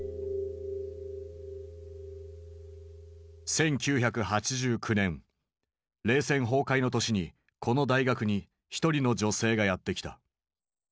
１９８９年冷戦崩壊の年にこの大学に一人の女性がやって来た。